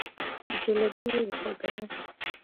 جلبي ولې خوږه ده؟